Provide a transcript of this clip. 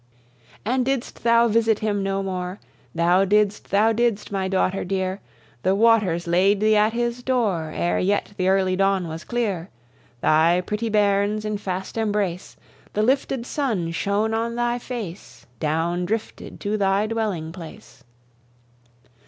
And didst thou visit him no more? Thou didst, thou didst, my daughter deare The waters laid thee at his doore, Ere yet the early dawn was clear. Thy pretty bairns in fast embrace, The lifted sun shone on thy face, Downe drifted to thy dwelling place.